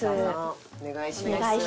お願いします。